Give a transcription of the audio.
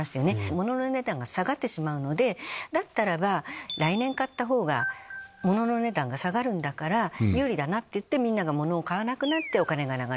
ものの値段が下がってしまうので来年買った方がものの値段が下がるんだから有利だなってみんながものを買わなくなってお金が流れない。